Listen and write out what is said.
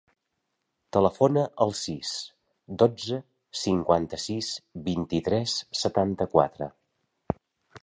Telefona al sis, dotze, cinquanta-sis, vint-i-tres, setanta-quatre.